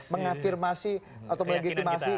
mengafirmasi atau melegitimasi